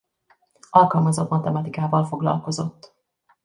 Alkalmazott matematikával foglalkozott.